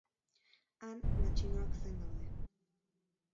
Han, matxinoak zain daude.